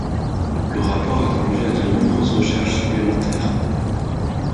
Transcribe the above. Le rapport a conduit à de nombreuses recherches supplémentaires.